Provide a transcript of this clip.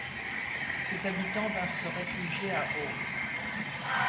Ses habitants vinrent se réfugier à Ault.